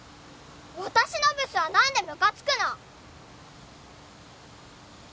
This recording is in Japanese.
私のブスは何でムカつくの？